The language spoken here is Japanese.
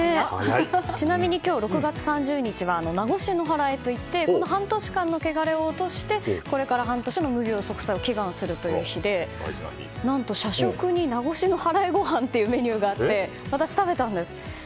ちなみに今日、６月３０日は夏越のはらえといってこの半年間のけがれを落としてこれから半年の無病息災を祈願するという日で何と社食に夏越のはらえご飯というメニューがあって私、食べたんです。